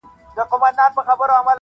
خانه ستا او د عُمرې یې سره څه,